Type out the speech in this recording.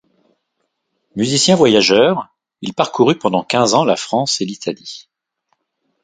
Musicien voyageur, il parcourut pendant quinze ans la France et l'Italie.